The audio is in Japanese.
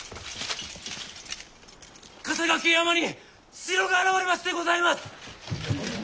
笠懸山に城が現れましてございます！